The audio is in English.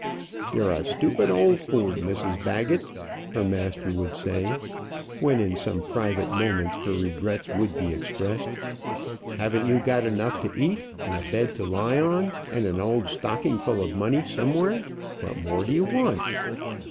"You're a stupid old fool, Mrs Baggett," her master would say, when in some private moments her regrets would be expressed. "Haven't you got enough to eat, and a bed to lie on, and an old stocking full of money somewhere? What more do you want?"